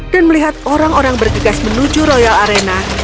dan melihat orang orang bergegas menuju royal arena